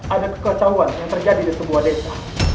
ada kekacauan yang terjadi di sebuah desa